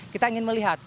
kita ingin melihat